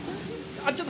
あっ、ちょっと。